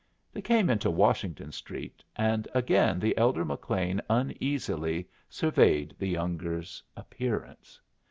They came into Washington Street, and again the elder McLean uneasily surveyed the younger's appearance.